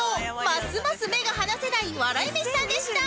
ますます目が離せない笑い飯さんでした